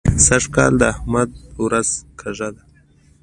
سږ کال د احمد ورځ کږه ده.